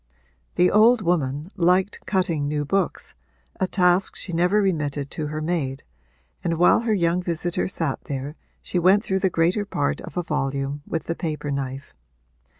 The old woman liked cutting new books, a task she never remitted to her maid, and while her young visitor sat there she went through the greater part of a volume with the paper knife.